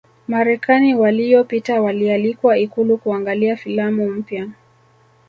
Marekani waliyopita walialikwa ikulu kuangalia filamu mpya